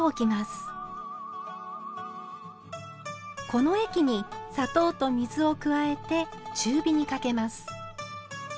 この液に砂糖と水を加えて中火にかけます。